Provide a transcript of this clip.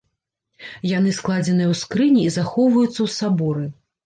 Яны складзеныя ў скрыні і захоўваюцца ў саборы.